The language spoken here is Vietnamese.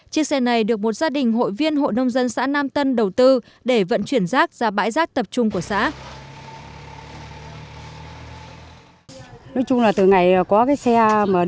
chiếc xe này được một gia đình hội viên hội nông dân xã nam tân đầu tư để vận chuyển rác ra bãi rác tập trung của xã